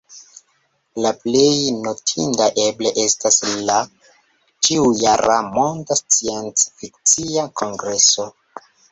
La plej notinda eble estas la ĉiu-jara Monda Sciencfikcia Kongreso.